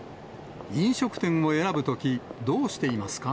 飲食店を選ぶとき、どうしていますか。